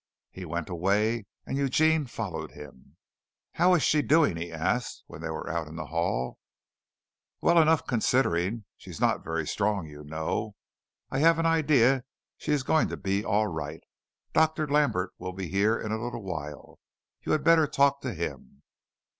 He went away and Eugene followed him. "How is she doing?" he asked, when they were out in the hall. "Well enough, considering. She's not very strong, you know. I have an idea she is going to be all right. Dr. Lambert will be here in a little while. You had better talk to him."